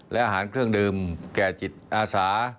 และอาหารเครื่องดื่มแก่จิตอาสา